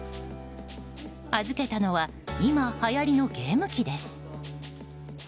預けたのは今はやりのゲーム機です。